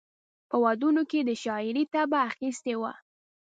په ودونو کې یې د شاعرۍ طبع اخیستې وه.